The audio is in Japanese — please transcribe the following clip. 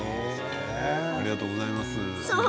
ありがとうございます。